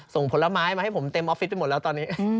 ส่งผลไม้มาให้ผมเต็มออฟฟิศไปหมดแล้วตอนนี้